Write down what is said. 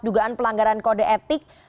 dugaan pelanggaran kode etik